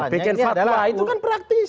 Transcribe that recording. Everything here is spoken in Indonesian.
bikin fatwa itu kan praktis